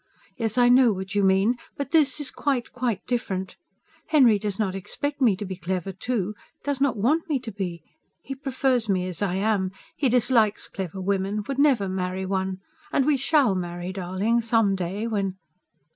Yes, I know what you mean ... but this is quite, quite different. Henry does not expect me to be clever, too does not want me to be. He prefers me as I am. He dislikes clever women ... would never marry one. And we SHALL marry, darling, some day when